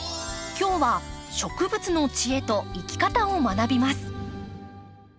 今日は植物の知恵と生き方を学びます。